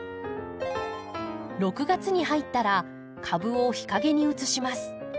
６月に入ったら株を日陰に移します。